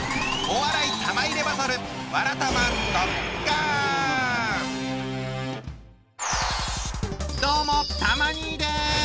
お笑い玉入れバトルどうもたま兄です。